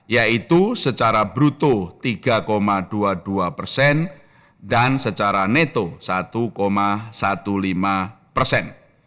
yaitu secara bruto tiga dua puluh dua persen dan secara neto satu lima belas persen